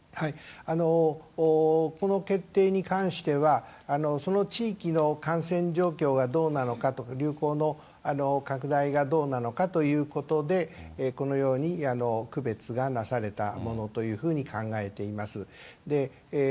この決定に関しては、その地域の感染状況がどうなのかと、流行の拡大がどうなのかということで、このように区別がなされたものというふうに考えています。